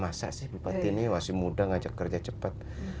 masa sih bupati ini masih muda ngajak kerja cepat